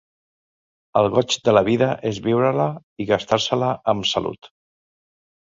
El goig de la vida és viure-la i gastar-se-la am salut